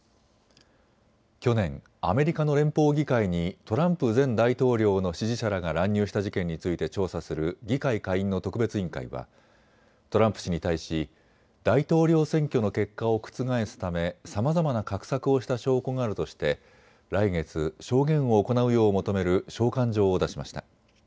去年、アメリカの連邦議会にトランプ前大統領の支持者らが乱入した事件について調査する議会下院の特別委員会はトランプ氏に対し大統領選挙の結果を覆すためさまざまな画策をした証拠があるとして来月、証言を行うよう求める召喚状を出しました。